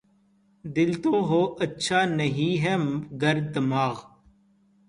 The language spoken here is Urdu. دل تو ہو‘ اچھا‘ نہیں ہے گر دماغ